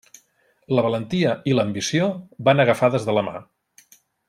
La valentia i l'ambició van agafades de la mà.